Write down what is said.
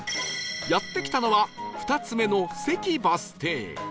やって来たのは２つ目の関バス停